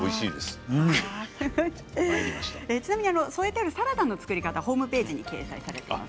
添えてあるサラダの作り方はホームページに掲載されています。